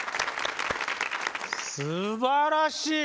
すばらしい！